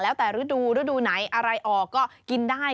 แล้วแต่ฤดูฤดูไหนอะไรออกก็กินได้